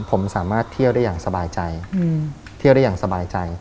ผมสามารถเที่ยวได้อย่างสบายใจ